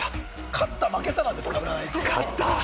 勝った・負けたなんですか？